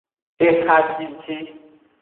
Ehajiji.